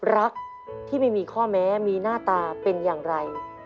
รักที่ไม่มีข้อแม้มีหน้าตาเป็นอย่างไร